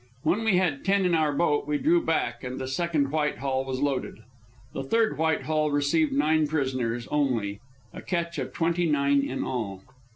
When we had ten in our boat we drew back, and the second Whitehall was loaded. The third Whitehall received nine prisoners only a catch of twenty nine in all.